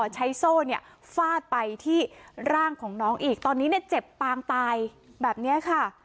ใช้โซ่เนี่ยฟาดไปที่ร่างของน้องอีกตอนนี้เนี่ยเจ็บปางตายแบบนี้ค่ะ